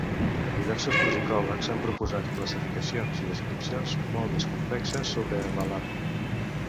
Diversos musicòlegs han proposat classificacions i descripcions molt més complexes sobre l'alap.